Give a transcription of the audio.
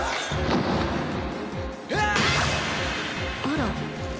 あら。